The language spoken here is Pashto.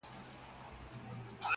بيا چي يخ سمال پټيو څخه راسي~